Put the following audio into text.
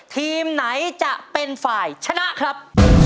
ทีมไหนจะเป็นฝ่ายชนะครับ